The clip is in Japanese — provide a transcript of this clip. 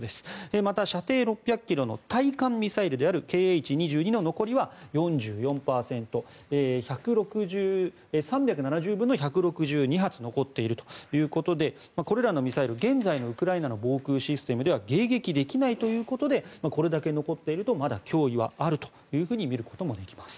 また射程６００ｋｍの対艦ミサイルであるＫｈ２２の残りは４４％３７０分の１６２発残っているということでこれらのミサイル、現在のウクライナの防空システムでは迎撃できないということでこれだけ残っているとまだ脅威はあると見ることはできます。